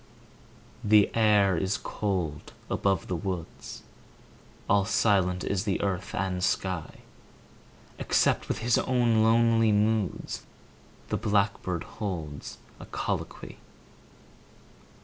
The air is cold above the woods; 5 All silent is the earth and sky, Except with his own lonely moods The blackbird holds a colloquy.